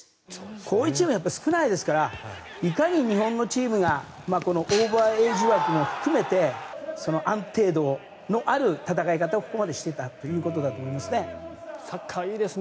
こういうチーム少ないですからいかに日本のチームがオーバーエイジ枠も含めて安定度のある戦い方をここまでしていたということだと思いますね。